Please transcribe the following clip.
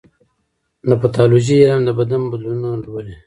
د پیتالوژي علم د بدن بدلونونه لولي.